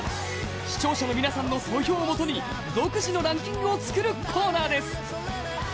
視聴者の皆さんの投票をもとに独自のランキングを作るコーナーです。